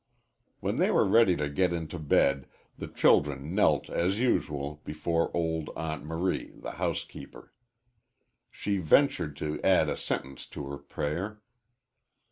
When they were ready to get into bed the children knelt as usual before old Aunt Marie, the housekeeper. Sue ventured to add a sentence to her prayer.